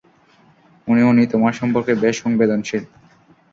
উনি - উনি তোমার সম্পর্কে বেশ সংবেদনশীল।